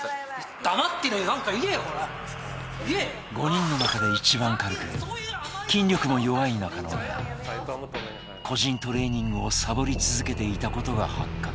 ５人の中で一番軽く筋力も弱い中野が個人トレーニングをサボり続けていたことが発覚